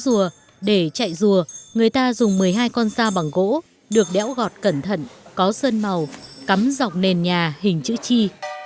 trong màn múa rùa để chạy rùa người ta dùng một mươi hai con xa bằng gỗ được đéo gọt cẩn thận có sơn màu cắm dọc nền nhà hình chữ chi